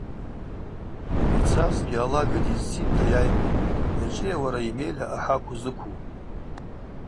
Йцазгьи алага дйызцитӏта йайхӏвитӏ: Йачӏвыйа уара Емеля ахӏакв узыкву?